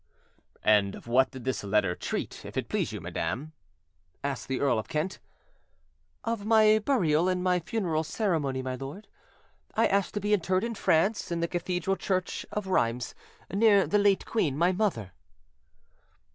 "And of what did this letter treat, if it please you, madam?" asked the Earl of Kent. "Of my burial and my funeral ceremony, my lord: I asked to be interred in France, in the cathedral church of Rheims, near the late queen my mother."